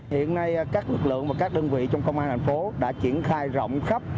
hiện nay các lực lượng và các đơn vị trong công an thành phố đã triển khai rộng khắp